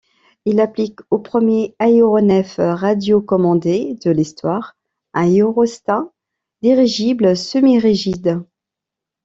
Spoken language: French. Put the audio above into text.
Il l'applique au premier aéronef radiocommandé de l'histoire, un aérostat dirigeable semi-rigide.